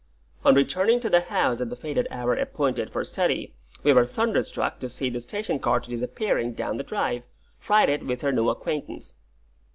On returning to the house at the fated hour appointed for study, we were thunderstruck to see the station cart disappearing down the drive, freighted with our new acquaintance.